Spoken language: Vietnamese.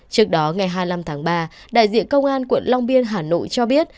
trước đó ngày hai mươi năm tháng ba đại diện công an quận long biên hà nội cho biết